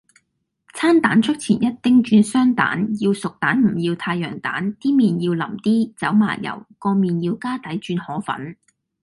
餐蛋出前一丁轉雙蛋，要熟蛋唔要太陽蛋，啲麵要淋啲，走麻油，個麵要加底轉河粉